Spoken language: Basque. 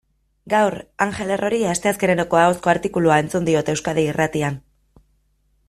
Gaur Angel Errori asteazkeneroko ahozko artikulua entzun diot Euskadi Irratian.